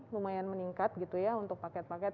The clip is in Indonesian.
lumayan meningkat untuk paket paket